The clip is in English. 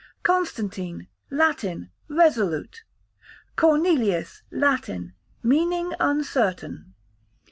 Constantine, Latin, resolute. Cornelius, Latin, meaning uncertain.